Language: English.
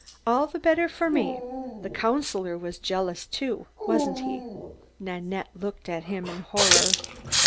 All the better for me the Councillor was jealous too, wasn't he?" Nanette looked at him in horror.